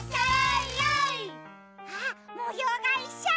あっもようがいっしょ！